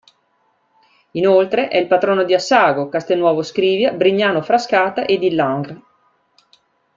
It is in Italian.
Inoltre è il patrono di Assago, Castelnuovo Scrivia, Brignano-Frascata e di Langres.